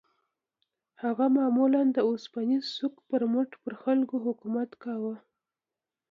هغه معمولاً د اوسپنيز سوک پر مټ پر خلکو حکومت کاوه.